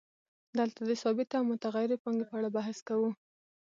دلته د ثابتې او متغیرې پانګې په اړه بحث کوو